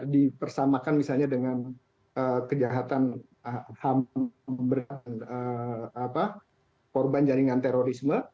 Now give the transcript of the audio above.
dipersamakan misalnya dengan kejahatan hamil korban jaringan terorisme